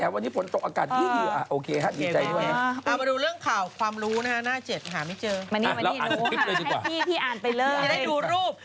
พี่ได้ดูรูป